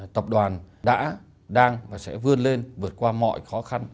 tập đoàn đã đang và sẽ vươn lên vượt qua mọi khó khăn